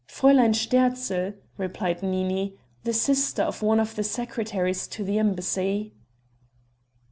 "Fräulein Sterzl," replied Nini, "the sister of one of the secretaries to the embassy."